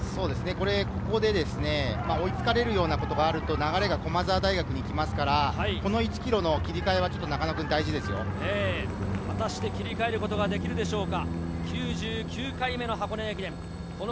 ここで追いつかれるようなことがあると流れが駒澤大学に行きますから、この１ｋｍの切り替えは中野君、大事で果たして切り替えることができるでしょうか。